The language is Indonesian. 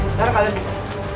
sekarang kalian berdua